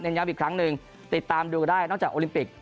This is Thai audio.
ย้ำอีกครั้งหนึ่งติดตามดูได้นอกจากโอลิมปิก